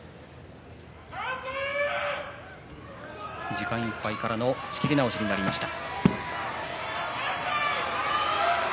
時間いっぱいからの仕切り直しになりました。